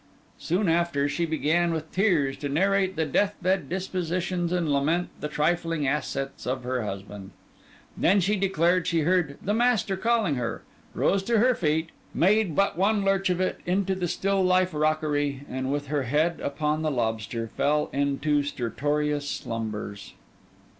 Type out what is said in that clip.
Soon after, she began with tears to narrate the deathbed dispositions and lament the trifling assets of her husband. Then she declared she heard 'the master' calling her, rose to her feet, made but one lurch of it into the still life rockery, and with her head upon the lobster, fell into stertorous slumbers.